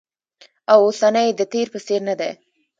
او اوسنی یې د تېر په څېر ندی